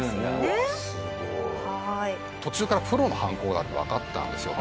途中からプロの犯行だってわかったんですよ